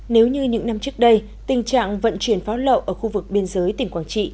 nếu như những năm trước đây tình trạng vận chuyển pháo lậu ở khu vực biên giới tỉnh quảng trị